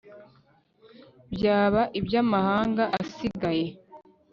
byaba iby'amahanga asigaye